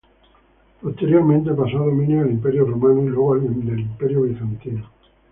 Posteriormente pasó a dominio del Imperio romano y luego del Imperio bizantino.